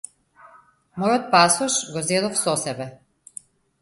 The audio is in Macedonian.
Мојот пасош го зедов со себе.